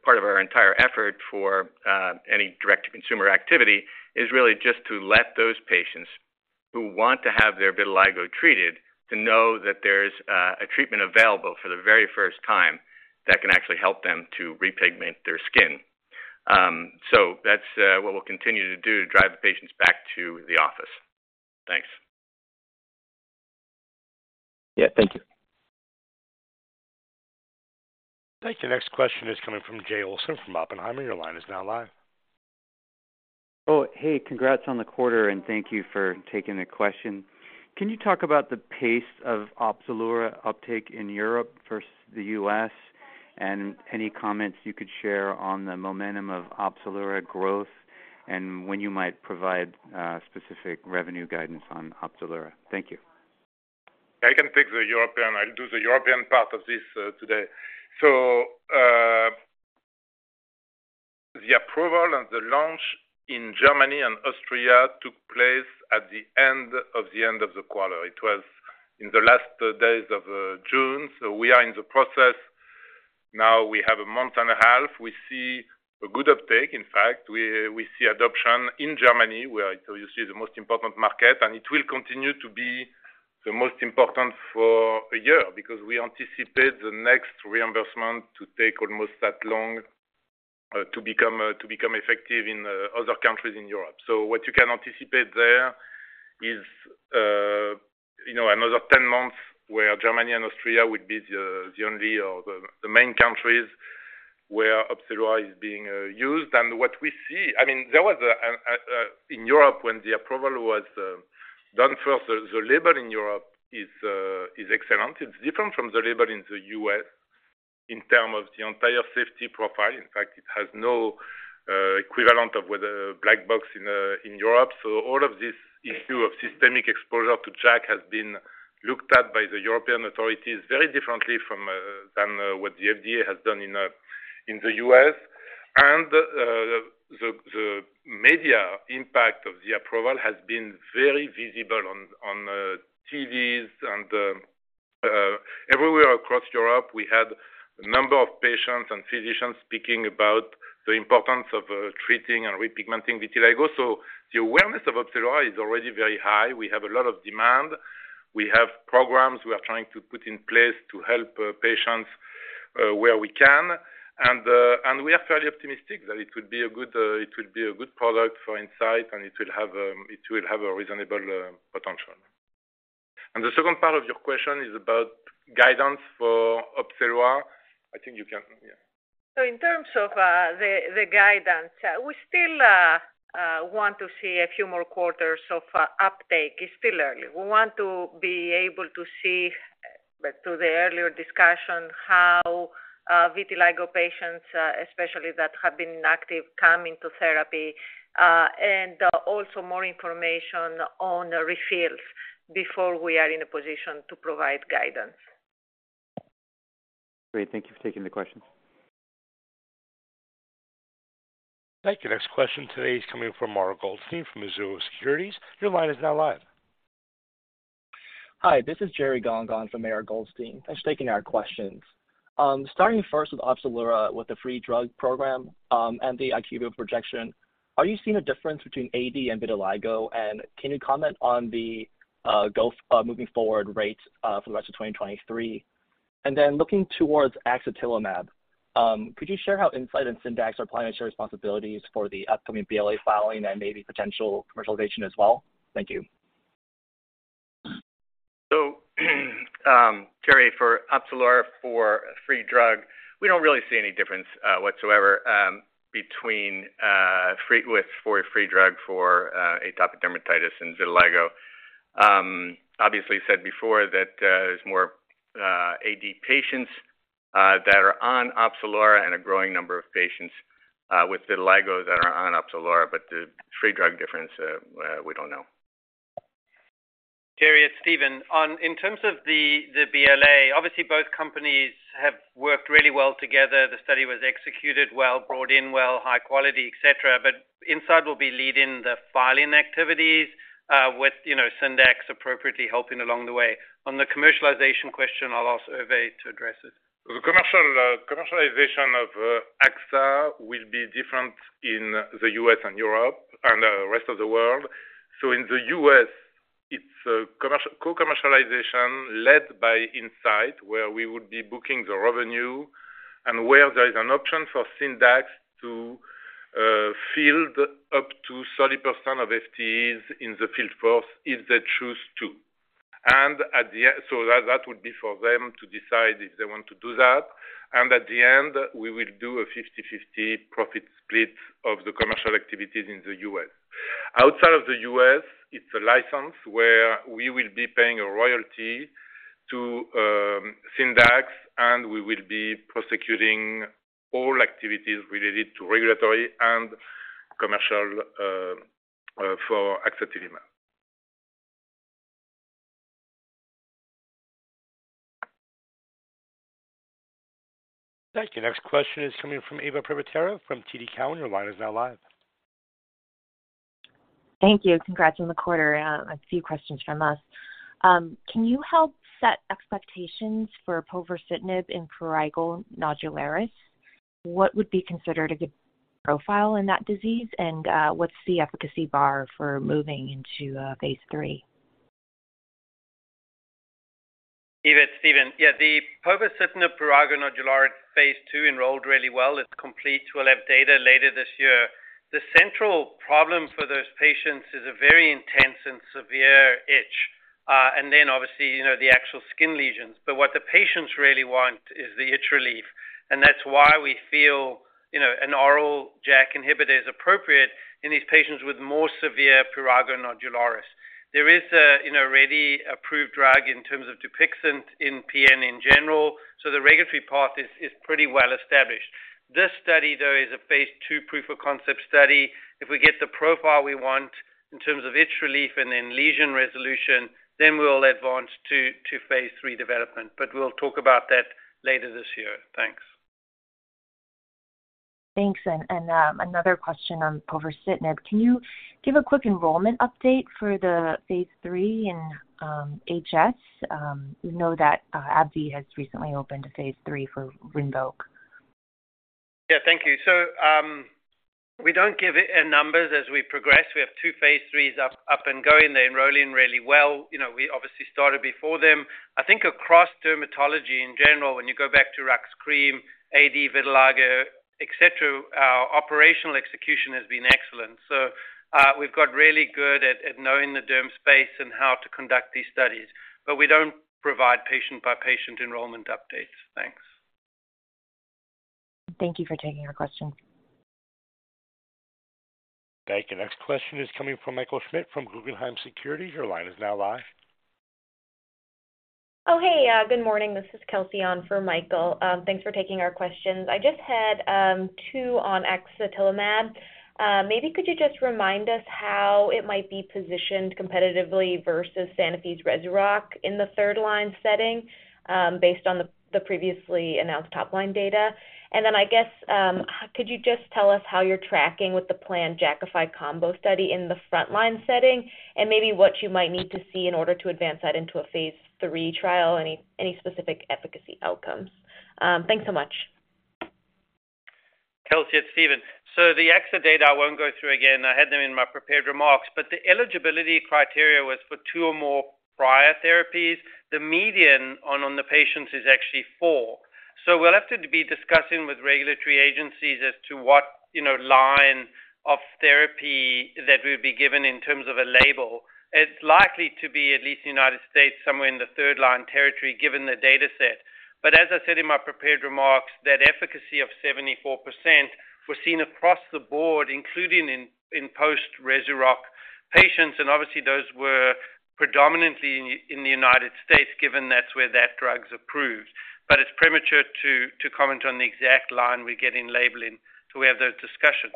part of our entire effort for any direct-to-consumer activity is really just to let those patients who want to have their vitiligo treated, to know that there's a treatment available for the very first time that can actually help them to repigment their skin. That's what we'll continue to do to drive the patients back to the office. Thanks. Yeah, thank you. Thank you. Next question is coming from Jay Olson from Oppenheimer. Your line is now live. Oh, hey, congrats on the quarter, and thank you for taking the question. Can you talk about the pace of Opzelura uptake in Europe versus the U.S., and any comments you could share on the momentum of Opzelura growth and when you might provide specific revenue guidance on Opzelura? Thank you. I can take the European. I'll do the European part of this today. The approval and the launch in Germany and Austria took place at the end of the end of the quarter. It was in the last days of June. We are in the process now. We have a month and a half. We see a good uptake. In fact, we, we see adoption in Germany, where you see the most important market, and it will continue to be the most important for a year because we anticipate the next reimbursement to take almost that long to become effective in other countries in Europe. What you can anticipate there is, you know, another 10 months where Germany and Austria would be the, the only or the, the main countries where Opzelura is being used. What we see, I mean, there was in Europe when the approval was done first, the label in Europe is excellent. It's different from the label in the U.S. in terms of the entire safety profile. In fact, it has no equivalent of with a black box in Europe. All of this issue of systemic exposure to JAK has been looked at by the European authorities very differently from than what the FDA has done in the U.S. The media impact of the approval has been very visible on TVs and everywhere across Europe. We had a number of patients and physicians speaking about the importance of treating and repigmenting vitiligo. The awareness of Opzelura is already very high. We have a lot of demand. We have programs we are trying to put in place to help patients where we can. We are fairly optimistic that it would be a good, it would be a good product for Incyte, and it will have a reasonable potential. The second part of your question is about guidance for Opzelura. I think you can, yeah. In terms of the guidance, we still want to see a few more quarters of uptake. It's still early. We want to be able to see, back to the earlier discussion, how vitiligo patients, especially that have been inactive, come into therapy, and also more information on the refills before we are in a position to provide guidance. Great, thank you for taking the questions. Thank you. Next question today is coming from Mara Goldstein from Mizuho Securities. Your line is now live. Hi, this is [Gavin Clark-Ganz] from Mara Goldstein. Thanks for taking our questions. Starting first with Opzelura, with the free drug program, and the IQVIA projection, are you seeing a difference between AD and vitiligo? Can you comment on the moving forward rates for the rest of 2023? Looking towards axatilimab, could you share how Incyte and Syndax are planning to share responsibilities for the upcoming BLA filing and maybe potential commercialization as well? Thank you. Jerry, for Opzelura, for free drug, we don't really see any difference whatsoever, between for a free drug for atopic dermatitis and vitiligo. Obviously, said before that, there's more AD patients that are on Opzelura and a growing number of patients with vitiligo that are on Opzelura, but the free drug difference, we don't know. Jerry, it's Steven. In terms of the BLA, obviously, both companies have worked really well together. The study was executed well, brought in well, high quality, et cetera. Incyte will be leading the filing activities, with, you know, Syndax appropriately helping along the way. On the commercialization question, I'll ask Hervé to address it. The commercialization of axa will be different in the U.S. and Europe and the rest of the world. In the U.S., it's a co-commercialization led by Incyte, where we would be booking the revenue and where there is an option for Syndax to field up to 30% of FTEs in the field force if they choose to. At the end, that would be for them to decide if they want to do that. At the end, we will do a 50/50 profit split of the commercial activities in the U.S. Outside of the U.S., it's a license where we will be paying a royalty to Syndax, and we will be prosecuting all activities related to regulatory and commercial for axatilimab. Thank you. Next question is coming from Eva Privitera from TD Cowen. Your line is now live. Thank you. Congrats on the quarter. A few questions from us. Can you help set expectations for Povorcitinib in prurigo nodularis? What would be considered a good profile in that disease? What's the efficacy bar for moving into phase III? Eva, it's Steven. Yeah, the Povorcitinib prurigo nodularis phase II enrolled really well. It's complete. We'll have data later this year. The central problem for those patients is a very intense and severe itch, and then obviously, you know, the actual skin lesions. What the patients really want is the itch relief, and that's why we feel, you know, an oral JAK inhibitor is appropriate in these patients with more severe prurigo nodularis. There is a, you know, already approved drug in terms of Dupixent in PN in general, so the regulatory path is, is pretty well established. This study, though, is a phase II proof of concept study. If we get the profile we want in terms of itch relief and then lesion resolution, then we'll advance to, to phase III development, but we'll talk about that later this year. Thanks. Thanks. Another question on Povorcitinib. Can you give a quick enrollment update for the phase III in HS? We know that AbbVie has recently opened a phase III for RINVOQ. Yeah, thank you. We don't give numbers as we progress. We have two phase IIIs up and going. They're enrolling really well. You know, we obviously started before them. I think across dermatology in general, when you go back to RUX cream, AD, vitiligo, et cetera, our operational execution has been excellent. We've got really good at knowing the derm space and how to conduct these studies. We don't provide patient-by-patient enrollment updates. Thanks. Thank you for taking our question. Thank you. Next question is coming from Michael Schmidt from Guggenheim Securities. Your line is now live. Oh, hey, Good morning. This is Kelsey on for Michael. Thanks for taking our questions. I just had two on axatilimab. Maybe could you just remind us how it might be positioned competitively versus Sanofi's Rezurock in the third-line setting, based on the, the previously announced top-line data? Then I guess, could you just tell us how you're tracking with the planned Jakafi combo study in the frontline setting, and maybe what you might need to see in order to advance that into a phase III trial? Any, any specific efficacy outcomes? Thanks so much. Kelsey, it's Steven. The axo data, I won't go through again. I had them in my prepared remarks, but the eligibility criteria was for two or more prior therapies. The median on, on the patients is actually four. We'll have to be discussing with regulatory agencies as to what, you know, line of therapy that we'll be given in terms of a label. It's likely to be, at least in the United States, somewhere in the third-line territory, given the dataset. As I said in my prepared remarks, that efficacy of 74% was seen across the board, including in, in post Rezurock patients, and obviously those were predominantly in, in the United States, given that's where that drug's approved. It's premature to, to comment on the exact line we get in labeling, so we have those discussions.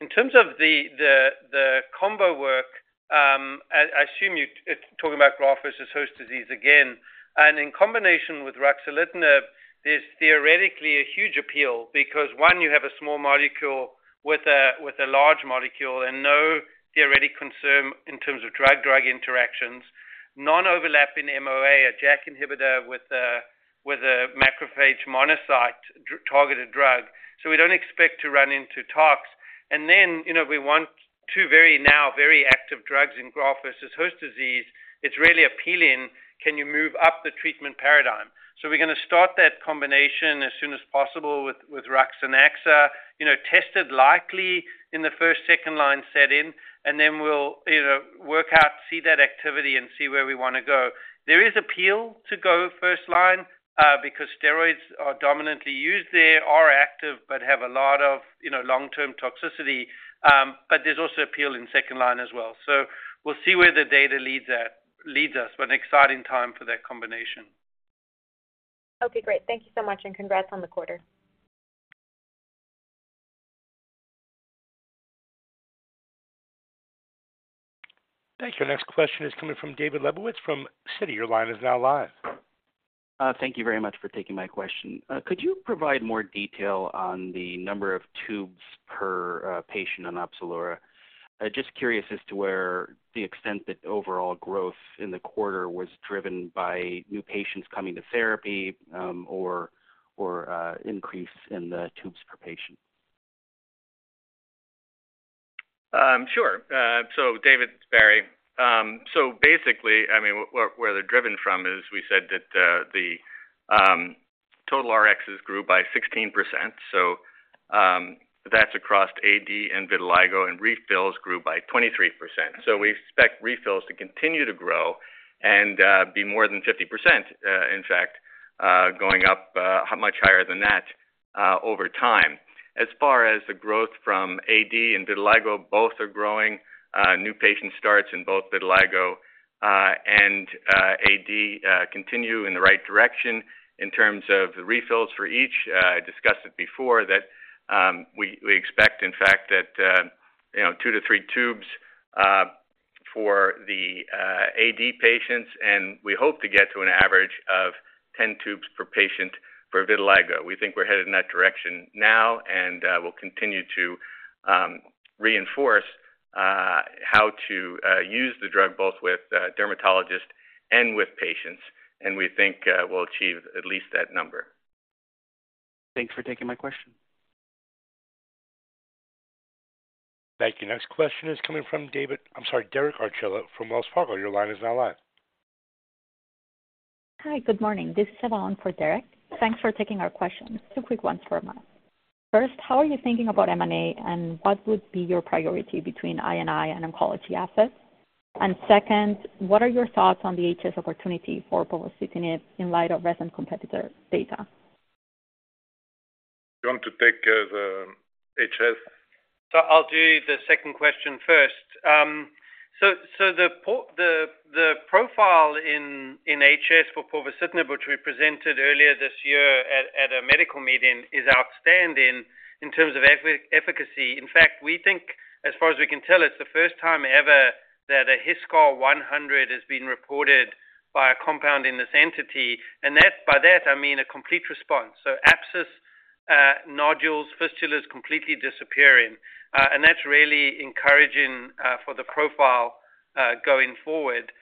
In terms of the, the, the combo work, I, I assume you're talking about graft-versus-host disease again, in combination with ruxolitinib, there's theoretically a huge appeal because one, you have a small molecule with a, with a large molecule and no theoretic concern in terms of drug-drug interactions, non-overlapping MOA, a JAK inhibitor with a, with a macrophage monocyte targeted drug. We don't expect to run into tox. You know, we want two very now, very active drugs in graft-versus-host disease. It's really appealing. Can you move up the treatment paradigm? We're going to start that combination as soon as possible with, with Rux and Axa, you know, tested likely in the first, second line setting, and then we'll, you know, work out, see that activity and see where we want to go. There is appeal to go first line, because steroids are dominantly used there, are active, but have a lot of, you know, long-term toxicity. But there's also appeal in second line as well. We'll see where the data leads at, leads us, but an exciting time for that combination. Okay, great. Thank you so much, and congrats on the quarter. Thank you. Next question is coming from David Lebowitz from Citi. Your line is now live. Thank you very much for taking my question. Could you provide more detail on the number of tubes per patient on Opzelura? Just curious as to where the extent that overall growth in the quarter was driven by new patients coming to therapy, or, or, increase in the tubes per patient. Sure. David, it's Barry. Basically, I mean, where, where they're driven from is we said that the total RXs grew by 16%. That's across AD and vitiligo, and refills grew by 23%. We expect refills to continue to grow and be more than 50%, in fact, going up much higher than that over time. As far as the growth from AD and vitiligo, both are growing. New patient starts in both vitiligo and AD continue in the right direction in terms of the refills for each. I discussed it before that we, we expect, in fact, that, you know, two to three tubes for the AD patients, and we hope to get to an average of 10 tubes per patient for vitiligo. We think we're headed in that direction now, and we'll continue to reinforce how to use the drug, both with dermatologists and with patients, and we think, we'll achieve at least that number. Thanks for taking my question. Thank you. Next question is coming from David, I'm sorry, Derek Archila from Wells Fargo. Your line is now live. Hi, good morning. This is [Evelyn] for Derek. Thanks for taking our questions. Two quick ones for Matt. First, how are you thinking about M&A, and what would be your priority between I&I and oncology assets? Second, what are your thoughts on the HS opportunity for Povorcitinib in light of recent competitor data? You want to take the HS? I'll do the second question first. The profile in HS for Povorcitinib, which we presented earlier this year at a medical meeting, is outstanding in terms of efficacy. In fact, we think as far as we can tell, it's the first time ever that a HiSCR100 has been reported by a compound in this entity, and that, by that, I mean a complete response. Abscess, nodules, fistulas, completely disappearing, and that's really encouraging for the profile going forward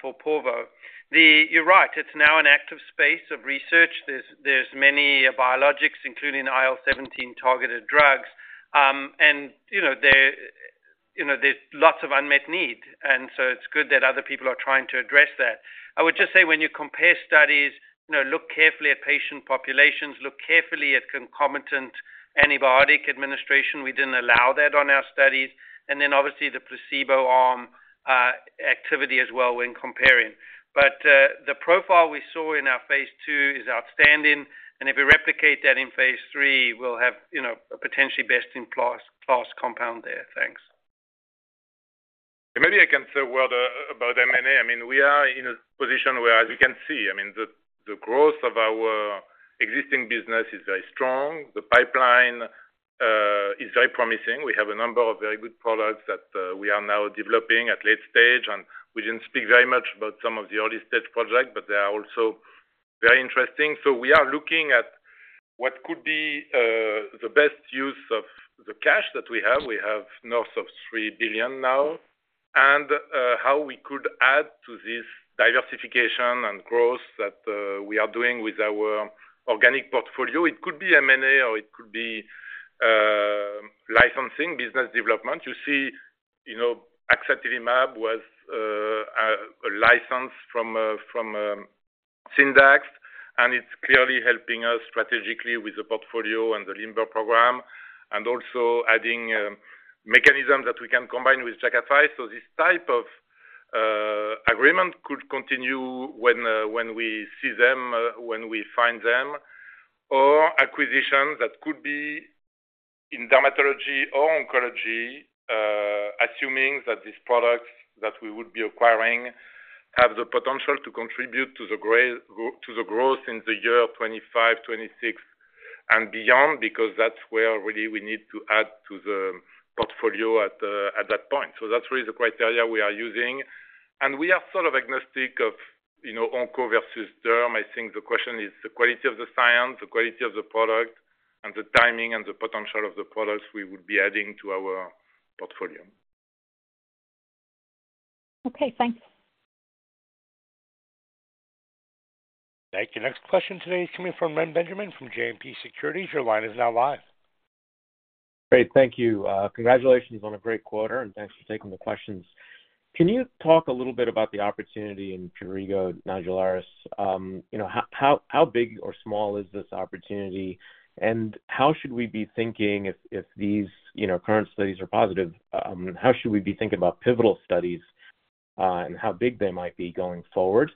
for povo. The. You're right, it's now an active space of research. There's, there's many biologics, including IL-17-targeted drugs. You know, there, you know, there's lots of unmet need, and so it's good that other people are trying to address that. I would just say when you compare studies, you know, look carefully at patient populations, look carefully at concomitant antibiotic administration. We didn't allow that on our studies, and then obviously, the placebo arm activity as well when comparing. The profile we saw in our phase II is outstanding, and if we replicate that in phase III, we'll have, you know, a potentially best-in-class, class compound there. Thanks. Maybe I can say a word about M&A. I mean, we are in a position where, as you can see, I mean, the, the growth of our existing business is very strong. The pipeline is very promising. We have a number of very good products that we are now developing at late stage, and we didn't speak very much about some of the early stage projects, but they are also very interesting. We are looking at what could be the best use of the cash that we have. We have north of $3 billion now, and how we could add to this diversification and growth that we are doing with our organic portfolio. It could be M&A, or it could be licensing, business development. You see, you know, axatilimab was a license from from Syndax, and it's clearly helping us strategically with the portfolio and the LIMBER program, and also adding mechanisms that we can combine with Jakafi. This type of agreement could continue when when we see them, when we find them, or acquisitions that could be in dermatology or oncology, assuming that these products that we would be acquiring have the potential to contribute to the growth in the year 25, 26, and beyond, because that's where really we need to add to the portfolio at that point. That's really the criteria we are using. We are sort of agnostic of, you know, onco versus derm. I think the question is the quality of the science, the quality of the product, and the timing and the potential of the products we would be adding to our portfolio. Okay, thanks. Thank you. Next question today is coming from Reni Benjamin from JMP Securities. Your line is now live. Great, thank you. Congratulations on a great quarter, and thanks for taking the questions. Can you talk a little bit about the opportunity in prurigo nodularis? you know, how, how, how big or small is this opportunity? How should we be thinking if, if these, you know, current studies are positive, how should we be thinking about pivotal studies, and how big they might be going forward?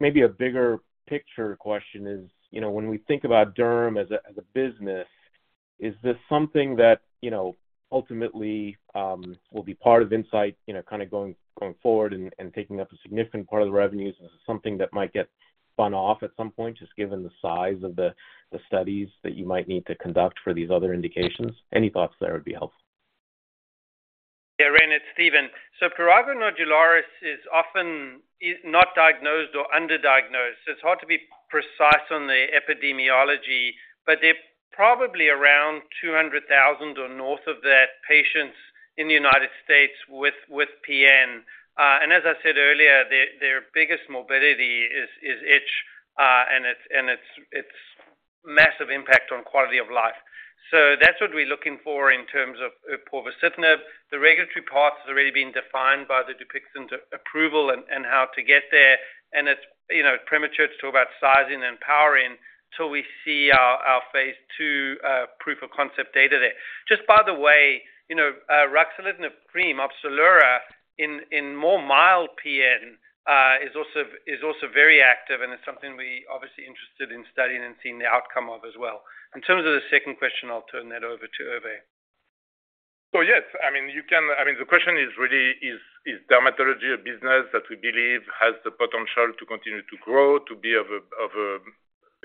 Maybe a bigger picture question is, you know, when we think about derm as a, as a business, is this something that, you know, ultimately, will be part of Incyte, you know, kind of going, going forward and, and taking up a significant part of the revenues? Is this something that might get spun off at some point, just given the size of the, the studies that you might need to conduct for these other indications? Any thoughts there would be helpful. Yeah, Reni, it's Steven. Prurigo nodularis is often is not diagnosed or underdiagnosed. It's hard to be precise on the epidemiology, but there are probably around 200,000 or north of that patients in the United States with PN. As I said earlier, their biggest morbidity is itch, and it's, and it's, it's massive impact on quality of life. That's what we're looking for in terms of Povorcitinib. The regulatory path has already been defined by the Dupixent approval and how to get there. It's, you know, premature to talk about sizing and powering till we see our phase II proof of concept data there. Just by the way, you know, ruxolitinib cream Opzelura in more mild PN is also very active, and it's something we obviously interested in studying and seeing the outcome of as well. In terms of the second question, I'll turn that over to Hervé. Yes, I mean, you can-- I mean, the question is really is, is dermatology a business that we believe has the potential to continue to grow, to be of a,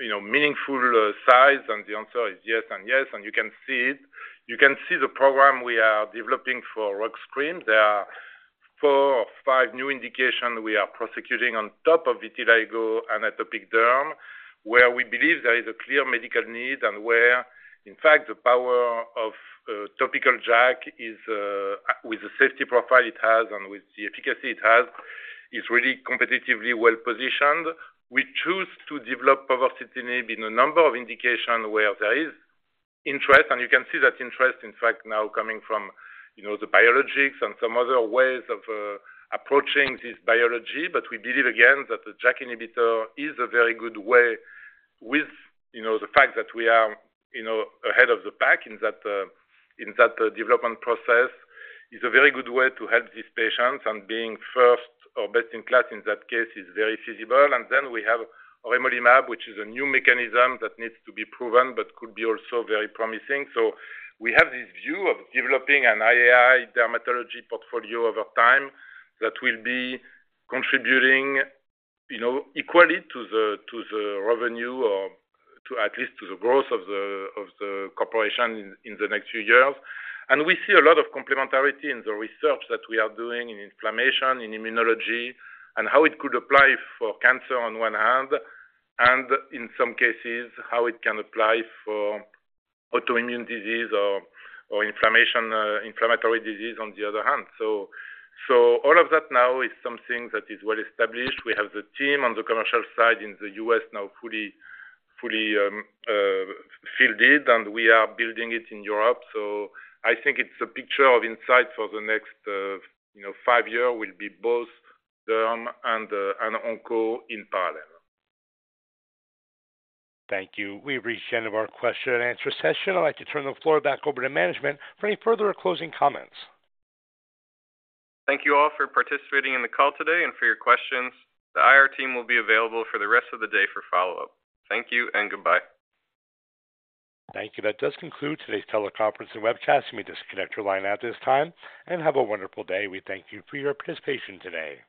of a, you know, meaningful size? The answer is yes and yes, and you can see it. You can see the program we are developing for ruxolitinib cream. There are four or five new indications we are prosecuting on top of vitiligo and atopic derm, where we believe there is a clear medical need and where, in fact, the power of topical JAK is with the safety profile it has and with the efficacy it has, is really competitively well-positioned. We choose to develop Povorcitinib in a number of indications where there is interest, and you can see that interest, in fact, now coming from, you know, the biologics and some other ways of approaching this biology. We believe again, that the JAK inhibitor is a very good way with, you know, the fact that we are, you know, ahead of the pack in that, in that development process, is a very good way to help these patients, and being first or best in class in that case is very feasible. Then we have auremolimab, which is a new mechanism that needs to be proven, but could be also very promising. We have this view of developing an IAI dermatology portfolio over time that will be contributing, you know, equally to the, to the revenue or to at least to the growth of the, of the corporation in, in the next few years. We see a lot of complementarity in the research that we are doing in inflammation, in immunology, and how it could apply for cancer on one hand, and in some cases, how it can apply for autoimmune disease or, inflammatory disease, on the other hand. All of that now is something that is well established. We have the team on the commercial side in the U.S. now fully, fully fielded, and we are building it in Europe. I think it's a picture of Incyte for the next, you know, five year will be both derm and onco in parallel. Thank you. We've reached the end of our question-and-answer session. I'd like to turn the floor back over to management for any further closing comments. Thank you all for participating in the call today and for your questions. The IR team will be available for the rest of the day for follow-up. Thank you and goodbye. Thank you. That does conclude today's teleconference and webcast. You may disconnect your line at this time, and have a wonderful day. We thank you for your participation today.